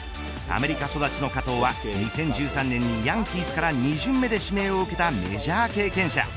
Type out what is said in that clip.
アメリカ育ちの加藤は２０１３年にヤンキースから２巡目で指名を受けたメジャー経験者。